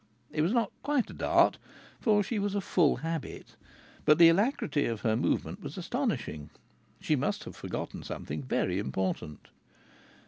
It was not quite a dart, for she was of full habit, but the alacrity of her movement was astonishing. She must have forgotten something very important.